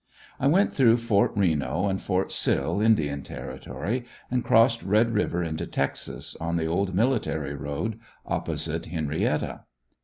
I went through Fort Reno and Fort Sill, Indian territory and crossed Red river into Texas on the old military road, opposite Henrietta.